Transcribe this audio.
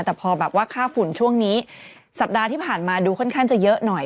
แต่พอแบบว่าค่าฝุ่นช่วงนี้สัปดาห์ที่ผ่านมาดูค่อนข้างจะเยอะหน่อย